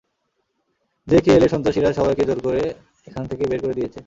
JKLF সন্ত্রাসীরা সবাইকে জোর করে এখান থেকে বের করে দিয়েছে।